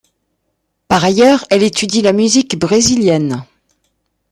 Par ailleurs elle étudie la musique brésilienne.